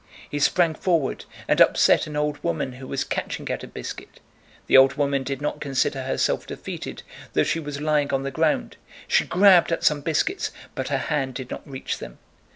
He sprang forward and upset an old woman who was catching at a biscuit; the old woman did not consider herself defeated though she was lying on the ground—she grabbed at some biscuits but her hand did not reach them.